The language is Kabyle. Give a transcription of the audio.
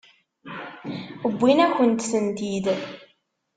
Wwin-akent-tent-id.